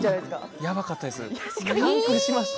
やばかったですよ